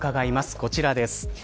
こちらです。